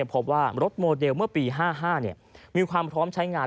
พบว่ารถโมเดลเมื่อปี๕๕มีความพร้อมใช้งาน